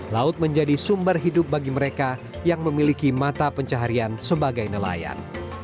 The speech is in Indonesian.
laut menjadi sumber hidup bagi mereka yang memiliki mata pencaharian sebagai nelayan